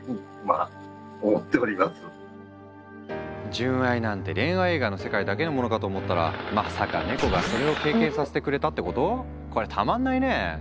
純愛なんて恋愛映画の世界だけのものかと思ったらまさかネコがそれを経験させてくれたってこと⁉こりゃたまんないね！